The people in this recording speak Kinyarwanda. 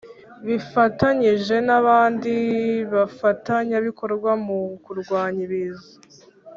Bifatanyije n’ abandi bafatanyabikorwa mu kurwanya Ibiza